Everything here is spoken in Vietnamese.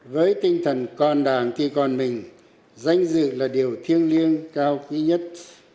với tinh thần còn đảng thì còn mình danh dự là điều thiêng liêng cao quý nhất